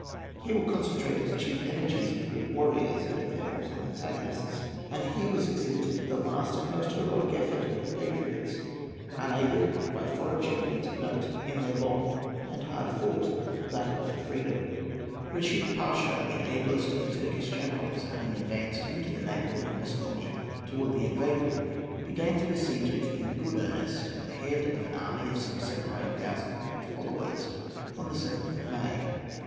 Here were concentrated the chief energies of the Greek warriors and of their Moslem antagonists, and here was exhibited the last and most heroic effort of the patriots, unaided by foreign champions of note, in their long and hard fought battle for freedom. [Footnote A: Millingen, "Memoirs on the Affairs of Greece," p. 99.] Reshid Pasha, the ablest of the Turkish generals, having advanced into the neighbourhood of Missolonghi towards the end of April, began to besiege it in good earnest, at the head of an army of some seven or eight thousand picked followers, on the 7th of May.